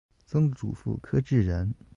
曾祖父柯志仁。